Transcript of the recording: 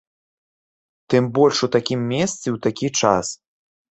Тым больш у такім месцы і ў такі час!